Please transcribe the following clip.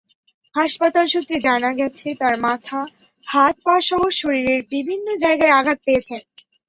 হাসপাতাল সূত্রে জানা গেছে, তাঁরা মাথা, হাত-পাসহ শরীরের বিভিন্ন জায়গায় আঘাত পেয়েছেন।